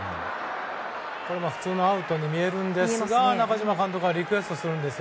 これが普通のアウトに見えるんですが中嶋監督はリクエストします。